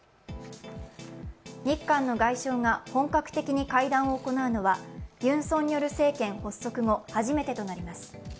日韓の外相が本格的に会談を行うのは、ユン・ソンニョル政権発足後、初めてとなります。